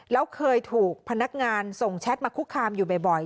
แล้วเคยถูกพนักงานส่งแชทมาคุกคามอยู่บ่อย